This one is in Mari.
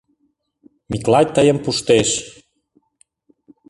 Миклай тыйым пуштеш.